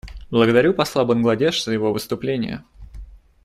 Благодарю посла Бангладеш за его выступление.